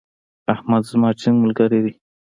احمد زما ټينګ ملګری دی.